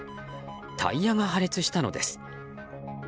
タイヤが破裂したのです。